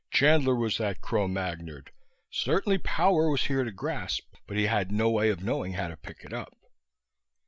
Chandler was that Cro Magnard; certainly power was here to grasp, but he had no way of knowing how to pick it up.